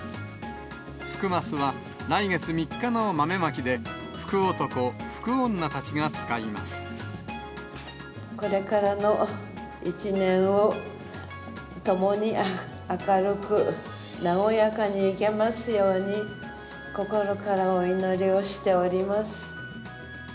福ますは、来月３日の豆まきで、福男、これからの１年をともに明るく和やかにいけますように、心からお祈りをしております。